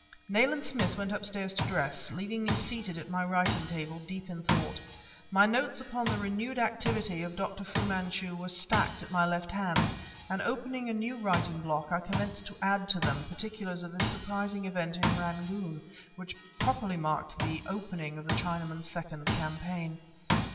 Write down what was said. Nayland Smith went upstairs to dress, leaving me seated at my writing table, deep in thought. My notes upon the renewed activity of Dr. Fu Manchu were stacked at my left hand, and, opening a new writing block, I commenced to add to them particulars of this surprising event in Rangoon which properly marked the opening of the Chinaman's second campaign.